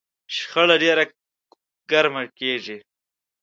شخړه ډېره ګرمه کېږي.